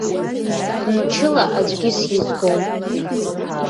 Мчыла аӡәгьы сизгом.